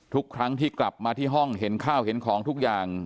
ทุกครั้งที่กลับมาที่ห้องเห็นข้าวเห็นของทุกอย่าง